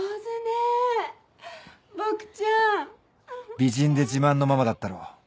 美人で自慢のママだったろう？